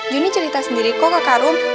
johnny cerita sendiri kok kak karun